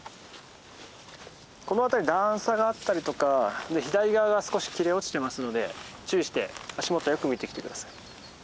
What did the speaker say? この辺り段差があったりとか左側が少し切れ落ちてますので注意して足元をよく見て来て下さい。